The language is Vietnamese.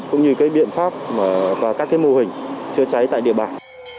cũng như cái biện pháp và các cái mô hình chữa cháy tại địa bàn